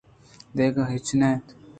دگہ ہچ نہ انت